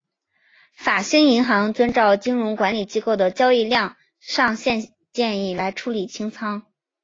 法兴银行遵照金融管理机构的交易量上限建议来处理清仓。